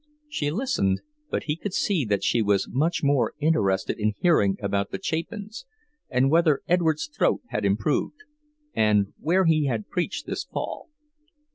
She listened, but he could see that she was much more interested in hearing about the Chapins, and whether Edward's throat had improved, and where he had preached this fall.